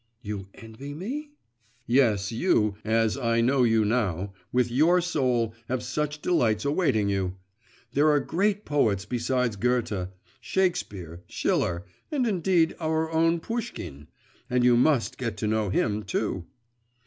'You envy me?' 'Yes; you, as I know you now, with your soul, have such delights awaiting you! There are great poets besides Goethe; Shakespeare, Schiller and, indeed, our own Pushkin, and you must get to know him too.